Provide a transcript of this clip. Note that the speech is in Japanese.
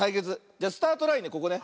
じゃスタートラインねここね。